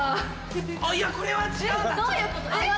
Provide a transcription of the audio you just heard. あぁいやこれは違うんだ。